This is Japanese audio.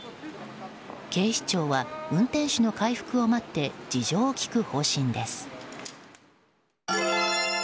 警視庁は運転手の回復を待って事情を聴く方針です。